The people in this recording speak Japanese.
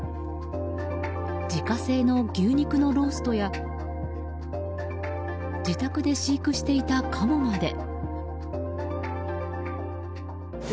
自家製の牛肉のローストや自宅で飼育していたカモまで。